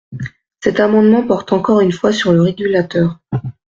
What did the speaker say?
Cet amendement porte encore une fois sur le régulateur.